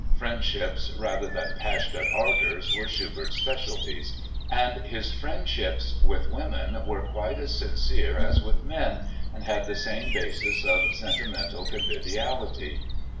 Friendships rather than passionate ardors were Schubert's specialties—and his friendships with women were quite as sincere as with men and had the same basis of sentimental conviviality.